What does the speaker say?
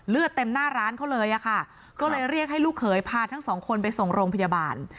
เลือดเต็มหน้าร้านเขาเลยอะค่ะก็เลยเรียกให้ลูกเขยพาทั้งสองคนไปส่งโรงพยาบาล